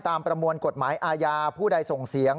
ประมวลกฎหมายอาญาผู้ใดส่งเสียง